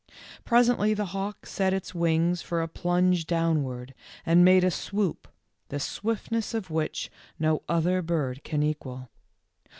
Presently the hawk set its wings for a plunge downward, and made a swoop, the swiftness of which no other bird can equal.